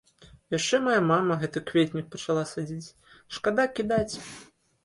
Яшчэ мая мама гэты кветнік пачала садзіць, шкада кідаць.